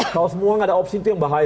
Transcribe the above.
kalau semua nggak ada opsi itu yang bahaya